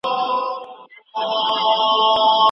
اوس شرايط د پخوا په پرتله ښه دي.